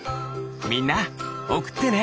みんなおくってね！